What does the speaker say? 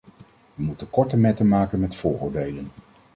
We moeten korte metten maken met vooroordelen.